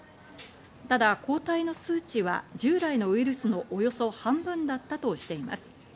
ただ抗体の数値は従来のウイルスのおよそ半分だったとしています。